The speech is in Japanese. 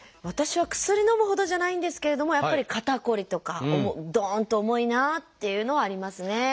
私は薬のむほどじゃないんですけれどもやっぱり肩こりとかどんと重いなっていうのはありますね。